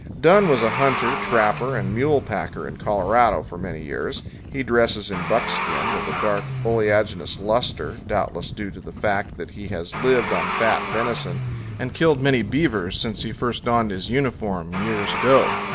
Dunn was a hunter, trapper, and mule packer in Colorado for many years. He dresses in buckskin with a dark oleaginous luster, doubtless due to the fact that he has lived on fat venison and killed many beavers since he first donned his uniform years ago.